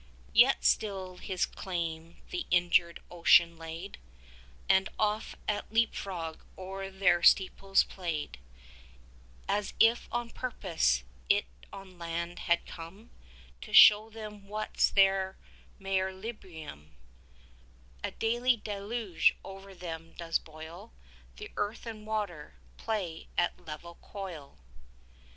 Yet still his claim the injured ocean laid, And oft at leap frog o'er their steeples played; As if on purpose it on land had come 25 To shew them what's their mare liberum, A daily deluge over them does boil; The earth and water play at level coil.